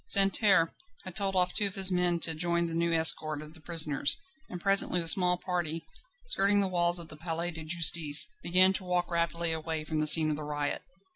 Santerne had told off two of his men to join the new escort of the prisoners, and presently the small party, skirting the walls of the Palais de Justice, began to walk rapidly away from the scene of the riot.